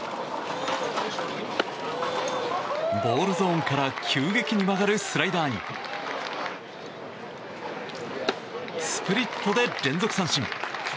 ボールゾーンから急激に曲がるスライダーにスプリットで、連続三振。